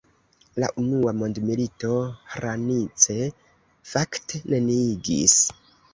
La unua mondmilito Hranice fakte neniigis.